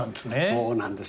そうなんですね。